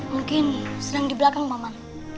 mungkin sedang di belakang maman